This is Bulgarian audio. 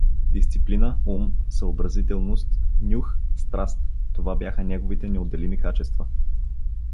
Дисциплина, ум, съобразителност, нюх, страст това бяха негови неотделими качества.